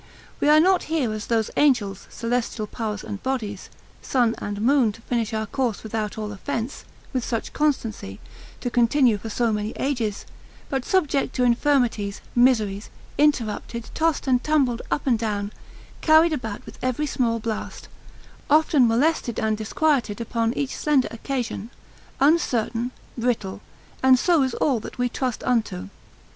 We are not here as those angels, celestial powers and bodies, sun and moon, to finish our course without all offence, with such constancy, to continue for so many ages: but subject to infirmities, miseries, interrupted, tossed and tumbled up and down, carried about with every small blast, often molested and disquieted upon each slender occasion, uncertain, brittle, and so is all that we trust unto.